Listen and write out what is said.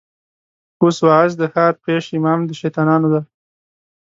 اوس واعظ د ښار پېش امام د شيطانانو دی